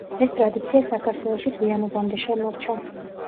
ეს ტრადიცია საქართველოში გვიანობამდე შემორჩა.